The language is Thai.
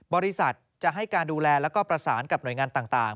บริษัทจะให้การดูแลแล้วก็ประสานกับหน่วยงานต่าง